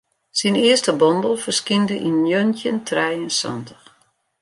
Syn earste bondel ferskynde yn njoggentjin trije en santich.